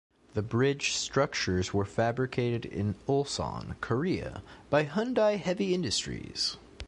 The bridge structures were fabricated in Ulsan, Korea by Hyundai Heavy Industries.